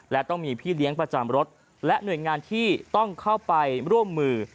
และต้องมีพี่เลี้ยงประจำรถและหน่วยงานที่ต้องเข้าไปร่วมมือ